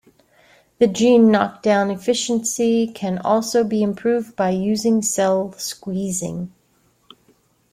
The gene knockdown efficiency can also be improved by using cell squeezing.